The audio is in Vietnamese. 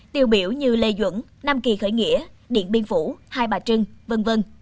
tiêu biểu như lê duẩn nam kỳ khởi nghĩa điện biên phủ hai bà trưng v v